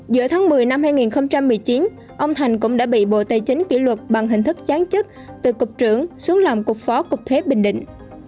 giữa tháng một mươi năm hai nghìn một mươi chín ông thành cũng đã bị bộ tài chính kỷ luật bằng hình thức chán chức từ cục trưởng xuống làm cục phó cục thuế bình định